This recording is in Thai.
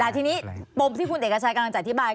แต่ทีนี้ปมที่คุณเอกชัยกำลังจะอธิบาย